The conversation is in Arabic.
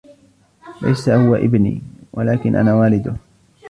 ليس " هو إبني " ولكن " أنا والده ".